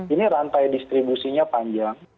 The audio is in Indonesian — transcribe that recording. ini rantai distribusinya panjang